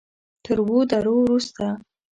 تر اوو دورو وروسته.